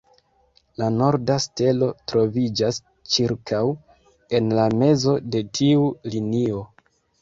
La norda stelo troviĝas ĉirkaŭ en la mezo de tiu linio.